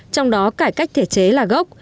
trong đó cải cách thể chế là gốc